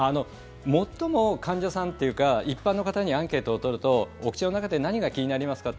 最も患者さんというか一般の方にアンケートを取るとお口の中で何が気になりますか？